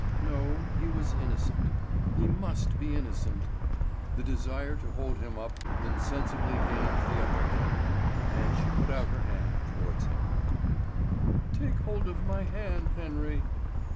No, he was innocent; he must be innocent. The desire to hold him up insensibly gained the upper hand, and she put out her hand towards him. "Take hold of my hand, Henry!"